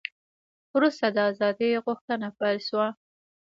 وروسته د ازادۍ غوښتنه پیل شوه.